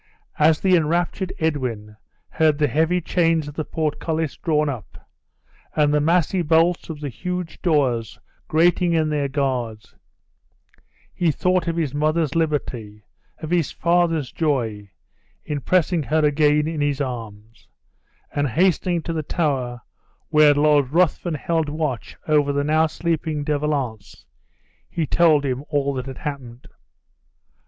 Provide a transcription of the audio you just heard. As the enraptured Edwin heard the heavy chains of the portcullis drawn up, and the massy bolts of the huge doors grating in their guards, he thought of his mother's liberty, of his father's joy, in pressing her again in his arms; and hastening to the tower where Lord Ruthven held watch over the now sleeping De Valance, he told him all that had happened.